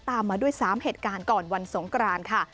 มาด้วย๓เหตุการณ์ก่อนวันสงกรานค่ะ